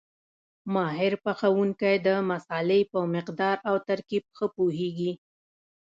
ماهر پخوونکی د مسالې په مقدار او ترکیب ښه پوهېږي.